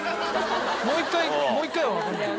もう一回もう一回はわからない？